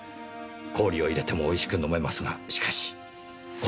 氷を入れても美味しく飲めますがしかしこちらは。